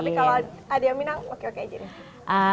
tapi kalau ada yang minang oke oke aja deh